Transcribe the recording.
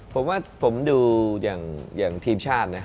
ผมว่าผมดูอย่างทีมชาตินะ